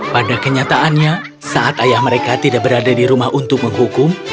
pada kenyataannya saat ayah mereka tidak berada di rumah untuk menghukum